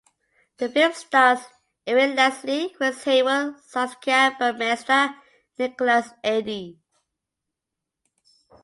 The film stars Ewen Leslie, Chris Haywood, Saskia Burmeister, and Nicholas Eadie.